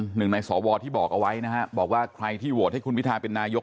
หนึ่งในสวที่บอกเอาไว้นะฮะบอกว่าใครที่โหวตให้คุณพิทาเป็นนายก